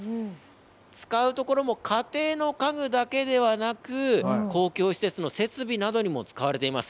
使う所も家庭の家具だけではなく、公共施設の設備などにも使われています。